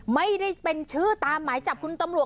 ไม่ได้เป็นชื่อตามหมายจับคุณตำรวจ